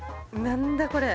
何だこれ？